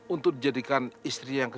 untuk dijadikan istri yang ke sepuluh